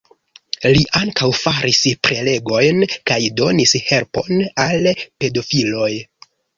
Li ankaŭ faris prelegojn kaj donis helpon al pedofiloj.